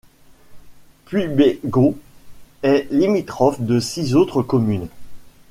Puybegon est limitrophe de six autres communes.